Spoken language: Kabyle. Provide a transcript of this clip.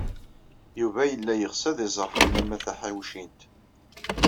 Yuba yella yeɣs ad iẓer Ḥemmama Taḥawcint.